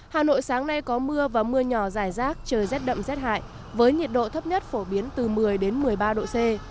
hà nội sáng nay có mưa và mưa nhỏ dài rác trời rét đậm rét hại với nhiệt độ thấp nhất phổ biến từ một mươi một mươi ba độ c